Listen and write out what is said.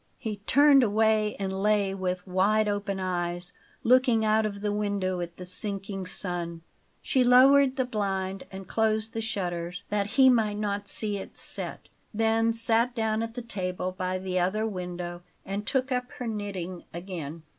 He turned away, and lay with wide open eyes, looking out of the window at the sinking sun. She lowered the blind and closed the shutters, that he might not see it set; then sat down at the table by the other window and took up her knitting again.